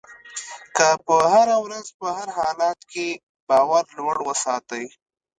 که په هره ورځ په هر حالت کې باور لوړ وساتئ.